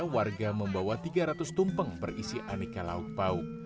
warga membawa tiga ratus tumpeng berisi aneka lauk pauk